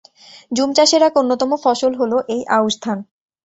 Zoom চাষের এক অন্যতম ফসল হলো এই আউশ ধান।